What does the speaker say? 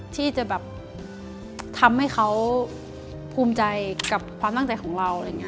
ที่จะทำให้เขาภูมิใจกับความตั้งใจของเรา